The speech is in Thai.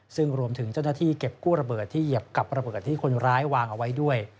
ซึ่งรวมถึงเจ้าหน้าที่เก็บกู้ระเบิดที่เหยียบกับระเบิดที่คนร้ายวางเอาไว้ด้วย